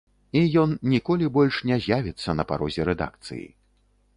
І ён ніколі больш не з'явіцца на парозе рэдакцыі.